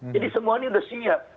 jadi semua ini udah siap